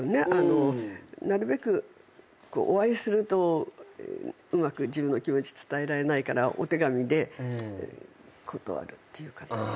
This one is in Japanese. なるべくお会いするとうまく自分の気持ち伝えられないからお手紙で断るっていう形です。